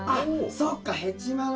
そっか。